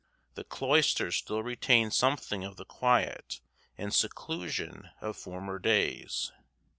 The cloisters still retain something of the quiet and seclusion of former days.